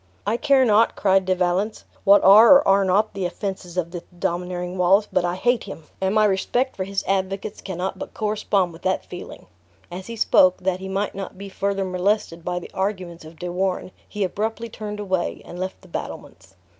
"I care not," cried De Valence, "what are or are not the offenses of this domineering Wallace, but I hate him; and my respect for his advocates cannot but correspond with that feeling." As he spoke, that he might not be further molested by the arguments of De Warenne, he abruptly turned away, and left the battlements.